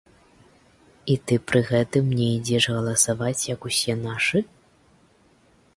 І ты пры гэтым не ідзеш галасаваць як усе нашы?